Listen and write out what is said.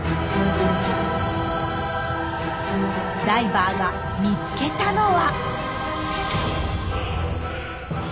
ダイバーが見つけたのは。